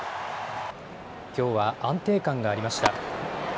きょうは安定感がありました。